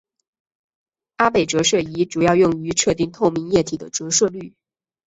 阿贝折射仪主要用于测定透明液体的折射率。